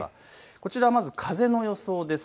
こちらはまず風の予想です。